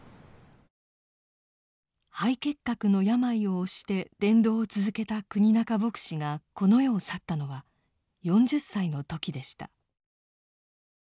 肺結核の病を押して伝道を続けた国仲牧師がこの世を去ったのは４０歳の時でした。